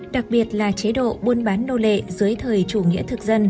đặc biệt là chế độ buôn bán nô lệ dưới thời chủ nghĩa thực dân